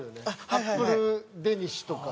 アップルデニッシュとか。